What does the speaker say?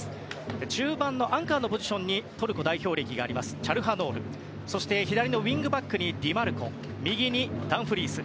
中盤、アンカーのポジションにトルコ代表歴があるチャルハノールそして左のウィングバックにディマルコ、右にダンフリース。